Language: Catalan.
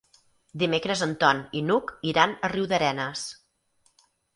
Dimecres en Ton i n'Hug iran a Riudarenes.